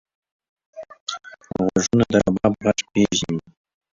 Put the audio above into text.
غوږونه د رباب غږ پېژني